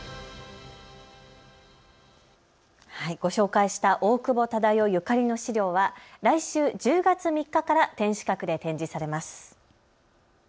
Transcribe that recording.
ご紹介した大久保忠世ゆかりの資料は来週１０月３日から天守閣で展示されます。